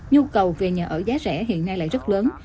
nhu cầu về nhà ở giá rẻ hiện nay lại rất lớn